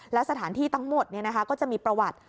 และสถานที่ทั้งหมดก็จะมีประวัติ